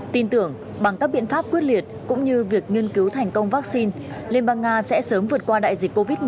tin tưởng bằng các biện pháp quyết liệt cũng như việc nghiên cứu thành công vaccine liên bang nga sẽ sớm vượt qua đại dịch covid một mươi chín